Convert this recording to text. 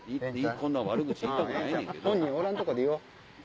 本人おらんとこで言おう。